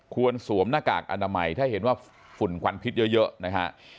สวมหน้ากากอนามัยถ้าเห็นว่าฝุ่นควันพิษเยอะนะฮะ